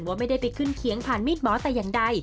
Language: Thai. ว่าไม่ได้ไปขึ้นเคียงผ่านมีดหมอแต่อย่างใด